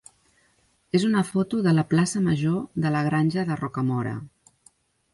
és una foto de la plaça major de la Granja de Rocamora.